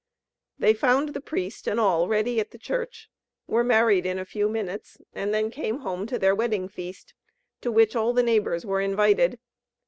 They found the priest and all ready at the church; were married in a few minutes; and then came home to their wedding feast, to which all the neighbours were invited.